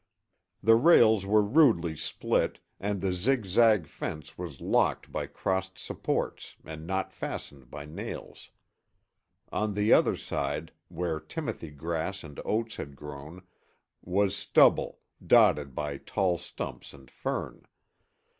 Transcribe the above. The rails were rudely split, and the zig zag fence was locked by crossed supports and not fastened by nails. On the other side, where timothy grass and oats had grown, was stubble, dotted by tall stumps and fern.